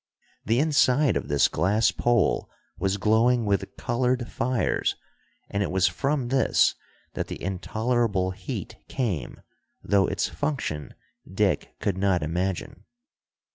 The inside of this glass pole was glowing with colored fires, and it was from this that the intolerable heat came, though its function Dick could not imagine.